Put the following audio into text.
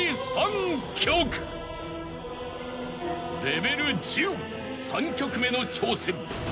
［レベル１０３曲目の挑戦］